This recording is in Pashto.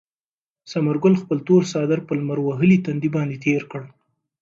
ثمر ګل خپل تور څادر په خپل لمر وهلي تندي باندې تېر کړ.